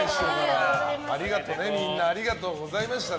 みんなありがとうございました。